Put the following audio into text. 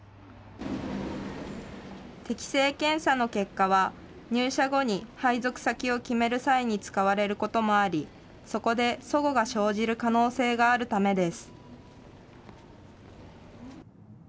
適性検査の結果は、入社後に配属先を決める際に使われることもあり、そこでそごが生じる可能性があるためです。